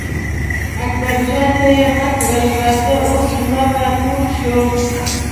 اکبر جان ته یې غږ کړل: راځه اوس لمر را تود شو.